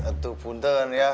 aduh punten ya